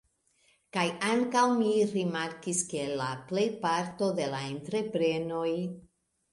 Kaj ankaŭ mi rimarkis ke la plejparto de la entreprenoj